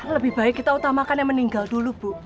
lebih baik kita utamakan yang meninggal dulu bu